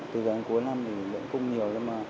từ gần cuối năm thì lượng cung nhiều